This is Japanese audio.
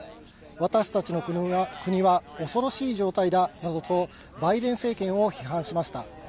私たちの国は恐ろしい状態だなどとバイデン政権を批判しました。